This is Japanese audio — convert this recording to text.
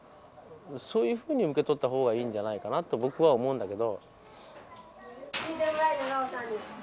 そういうふうに受け取った方がいいんじゃないかなと僕は思うんだけど。